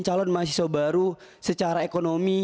calon mahasiswa baru secara ekonomi